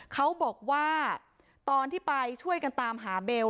เขาบอกว่าตอนที่ไปช่วยกันตามหาเบล